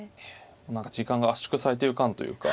何か時間が圧縮されてる感というか。